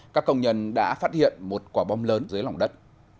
các công nhân đã phát hiện một quả bom lớn dưới lòng đất